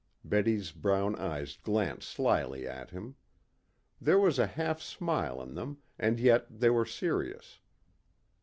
Betty's brown eyes glanced slyly at him. There was a half smile in them, and yet they were serious.